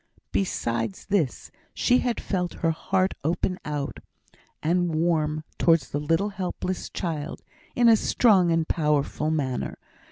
Besides this, she had felt her heart open out, and warm towards the little helpless child, in a strong and powerful manner.